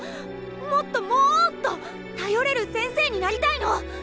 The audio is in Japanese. もっともっと頼れる先生になりたいの！